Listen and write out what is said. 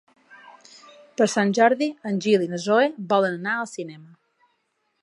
Per Sant Jordi en Gil i na Zoè volen anar al cinema.